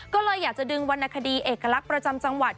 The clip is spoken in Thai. ก็เลยอยากจะดึงวรรณคดีเอกลักษณ์ประจำจังหวัด